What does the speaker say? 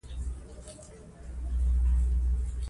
افغانستان د وګړي په برخه کې پوره او لوی نړیوال شهرت لري.